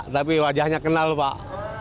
tapi wajahnya kenal pak